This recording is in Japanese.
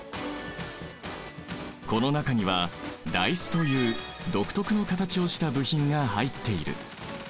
この中にはダイスという独特の形をした部品が入っている。